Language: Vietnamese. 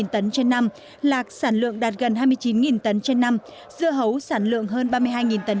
hai tấn trên năm lạc sản lượng đạt gần hai mươi chín tấn trên năm dưa hấu sản lượng hơn ba mươi hai tấn